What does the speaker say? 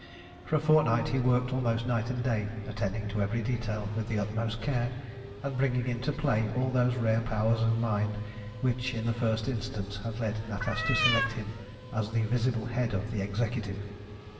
For a fortnight he worked almost night and day, attending to every detail with the utmost care, and bringing into play all those rare powers of mind which in the first instance had led Natas to select him as the visible head of the Executive.